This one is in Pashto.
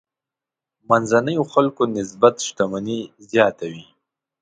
منځنيو خلکو نسبت شتمني زیاته وي.